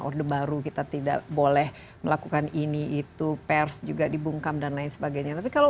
orde baru kita tidak boleh melakukan ini itu pers juga dibungkam dan lain sebagainya tapi kalau